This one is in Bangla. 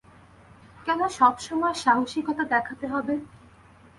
কেন সব সময় সাহসীকতা দেখাতে হবে?